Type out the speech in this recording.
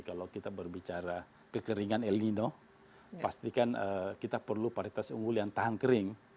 kalau kita berbicara kekeringan el nino pastikan kita perlu paritas unggul yang tahan kering